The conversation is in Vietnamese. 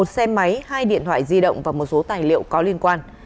một xe máy hai điện thoại di động và một số tài liệu có liên quan